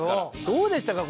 どうでしたか？